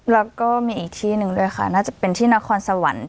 แล้วก็มีอีกที่หนึ่งด้วยค่ะน่าจะเป็นที่นครสวรรค์